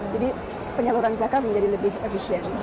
jadi penyaluran zakat menjadi lebih efisien